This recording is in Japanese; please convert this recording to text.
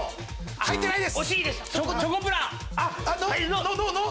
入ってないです。